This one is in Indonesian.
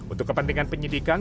untuk kepentingan penyidikan